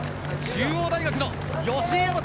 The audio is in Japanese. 中央大学の吉居大和